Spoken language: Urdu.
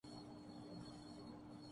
اس میں کیا برائی ہے؟